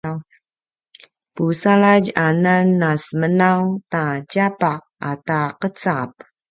pusaladj anan a semenaw ta tjapaq ata qecap